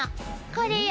これよ。